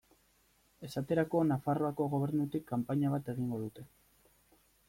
Esaterako Nafarroako Gobernutik kanpaina bat egingo dute.